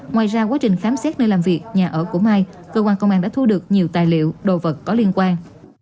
ngoài ra quá trình khám xét nơi làm việc nhà ở của mai cơ quan công an đã thu được nhiều tài liệu đồ vật có liên quan